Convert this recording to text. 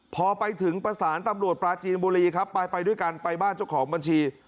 พอไปถึงประสานตำรวจปลาจีนบุรีครับไปไปด้วยกันไปบ้านเจ้าของบัญชี